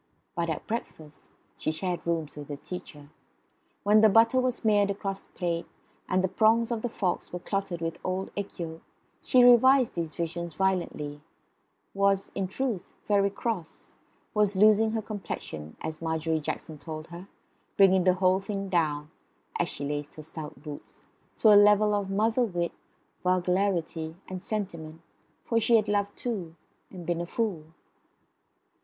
But at breakfast (she shared rooms with a teacher), when the butter was smeared about the plate, and the prongs of the forks were clotted with old egg yolk, she revised these visions violently; was, in truth, very cross; was losing her complexion, as Margery Jackson told her, bringing the whole thing down (as she laced her stout boots) to a level of mother wit, vulgarity, and sentiment, for she had loved too; and been a fool.